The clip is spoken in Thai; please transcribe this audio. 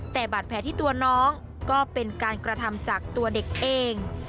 แต่บาดแผลที่ตัวน้องก็เป็นการกระทำจากตัวเด็กเอง